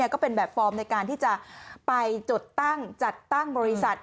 ก็เป็นแบบฟอร์มในการที่จะไปจดตั้งจัดตั้งบริษัท